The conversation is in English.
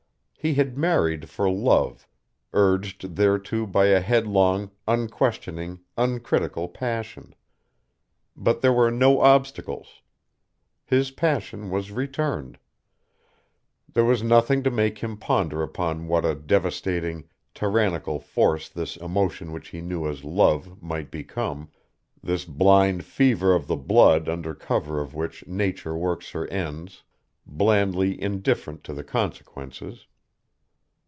He had married for love, urged thereto by a headlong, unquestioning, uncritical passion. But there were no obstacles. His passion was returned. There was nothing to make him ponder upon what a devastating, tyrannical force this emotion which he knew as love might become, this blind fever of the blood under cover of which nature works her ends, blandly indifferent to the consequences.